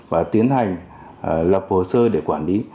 và tiến hành lập hồ sơ để quản lý